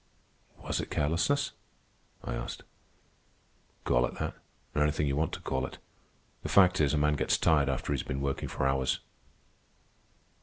"Was it carelessness?" I asked. "Call it that, or anything you want to call it. The fact is, a man gets tired after he's been working for hours."